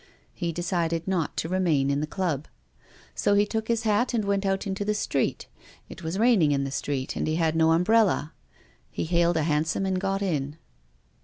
He decided not to remain in the Club. So he took his hat and went out into the street. It was raining in the street and he had no umbrella. He hailed a hansom and got in.